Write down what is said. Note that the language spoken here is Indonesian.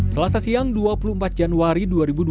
selasa siang dua puluh empat januari dua ribu dua puluh